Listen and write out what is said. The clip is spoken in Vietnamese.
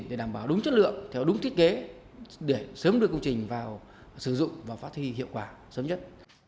để đảm bảo đúng chất lượng theo đúng thiết kế để sớm đưa công trình vào sử dụng và phát thi hiệu quả sớm nhất